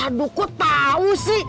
aduh kok tau sih